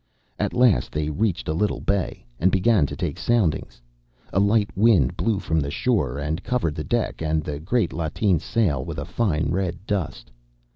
At last they reached a little bay, and began to take soundings. A light wind blew from the shore, and covered the deck and the great lateen sail with a fine red dust.